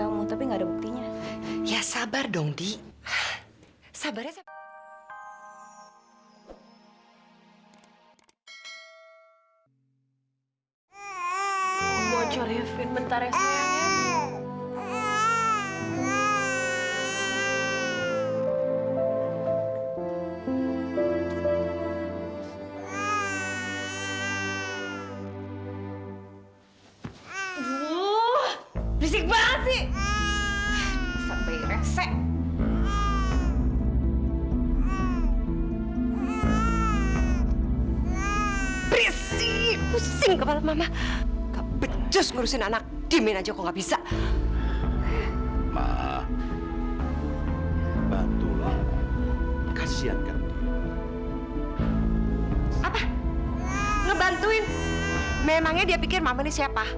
memangnya dia pikir mama ini siapa